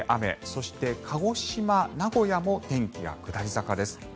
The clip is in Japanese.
そして鹿児島、名古屋も天気が下り坂です。